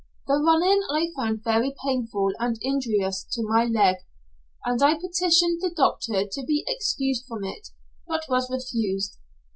The running I found very painful and injurious to my leg, and I petitioned the doctor to be excused from it, but was refused.